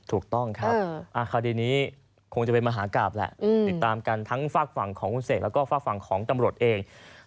ถูกต้องครับคดีนี้คงจะเป็นมหากราบแหละติดตามกันทั้งฝากฝั่งของคุณเสกแล้วก็ฝากฝั่งของตำรวจเอง